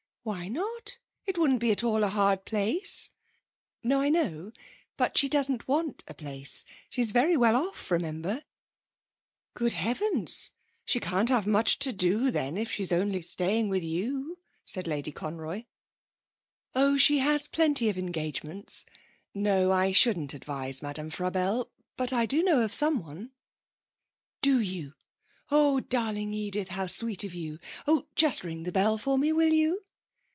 'Why not? It wouldn't be at all a hard place.' 'No, I know. But she doesn't want a place. She's very well off, remember.' 'Good heavens, she can't have much to do then if she's only staying with you,' said Lady Conroy. 'Oh, she has plenty of engagements. No, I shouldn't advise Madame Frabelle. But I do know of someone.' 'Do you? Oh, darling Edith, how sweet of you. Oh, just ring the bell for me, will you?'